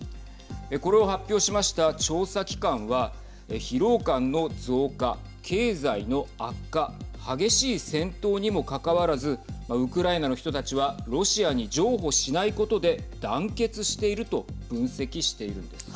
これを発表しました、調査機関は疲労感の増加、経済の悪化激しい戦闘にもかかわらずウクライナの人たちはロシアに譲歩しないことで団結していると分析しているんです。